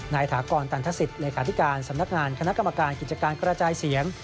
ถากรตันทศิษย์เลขาธิการสำนักงานคณะกรรมการกิจการกระจายเสียง